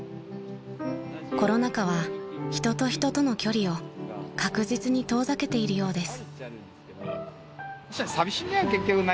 ［コロナ禍は人と人との距離を確実に遠ざけているようです］